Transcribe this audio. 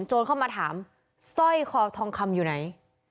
โจรเข้ามาถามสร้อยคอทองคำอยู่ไหน